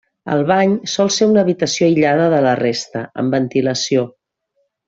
El bany sol ser una habitació aïllada de la resta, amb ventilació.